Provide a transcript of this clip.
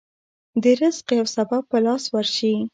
د رزق يو سبب په لاس ورشي.